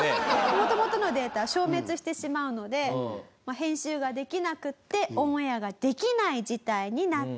元々のデータは消滅してしまうので編集ができなくてオンエアができない事態になってしまいました。